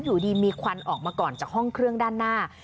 อยู่ดีมีควันออกมาก่อนจากห้องเครื่องด้านหน้า